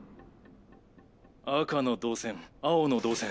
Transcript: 赤の導線